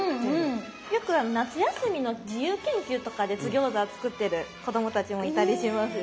よく夏休みの自由研究とかで津ぎょうざを作ってる子供たちもいたりしますよ。